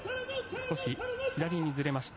少し左にずれました。